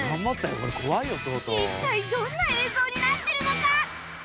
一体どんな映像になっているのか？